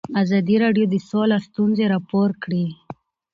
ازادي راډیو د سوله ستونزې راپور کړي.